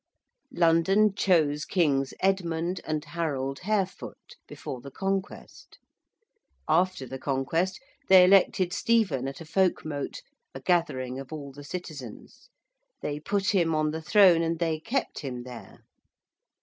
London chose Kings Edmund and Harold Harefoot, before the Conquest. After the Conquest, they elected Stephen at a folkmote, a gathering of all the citizens. They put him on the Throne and they kept him there.